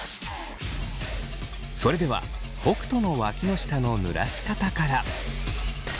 それでは北斗のわきの下のぬらし方から。